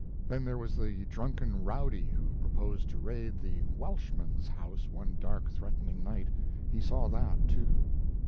Then there was the drunken rowdy who proposed to raid the "Welshman's" house one dark threatening night he saw that, too.